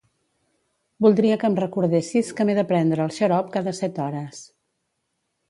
Voldria que em recordessis que m'he de prendre el xarop cada set hores.